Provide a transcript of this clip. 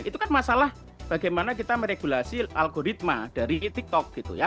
itu kan masalah bagaimana kita meregulasi algoritma dari tiktok gitu ya